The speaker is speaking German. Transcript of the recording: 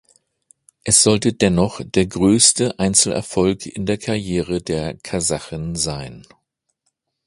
Es sollte dennoch der größte Einzelerfolg in der Karriere der Kasachin sein.